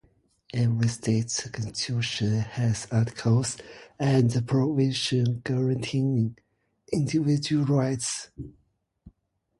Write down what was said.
Every state constitution has articles and provision guaranteeing individual rights.